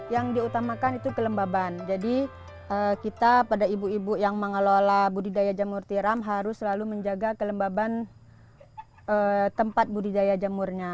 yang diutamakan itu kelembaban jadi kita pada ibu ibu yang mengelola budidaya jamur tiram harus selalu menjaga kelembaban tempat budidaya jamurnya